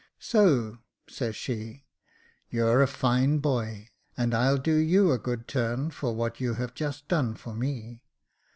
So says she, ' You're a fine boy, and I'll do you a good turn for what you have done for me.